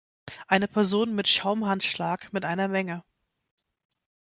Eine Person mit Schaumhandschlag mit einer Menge.